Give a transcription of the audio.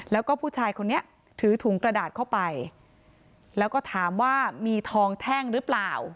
แล้วก็ผู้ชายคนนี้ถือถุงกระดาษเข้าไปแล้วก็ถามว่ามีทองแท่งหรือเปล่า